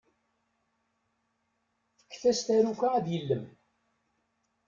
Fket-as taruka ad yellem.